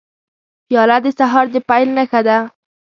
پیاله د سهار د پیل نښه ده.